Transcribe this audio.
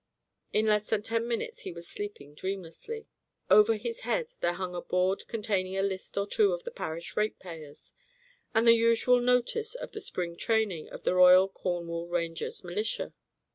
In less than ten minutes he was sleeping dreamlessly. Over his head there hung a board containing a list or two of the parish ratepayers, and the usual notice of the spring training of the Royal Cornwall Rangers' militia.